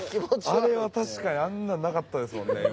あれは確かにあんなのなかったですもんね